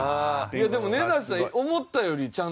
いやでも根建さん思ったよりちゃんと。